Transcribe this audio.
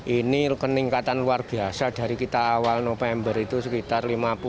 ini keningkatan luar biasa dari kita awal november itu sekitar lima puluh